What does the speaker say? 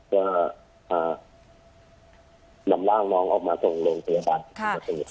จะหลำล่างน้องออกมา